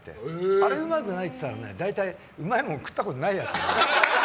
あれうまくないって言ったら大体、うまいもん食ったことないやつだよ。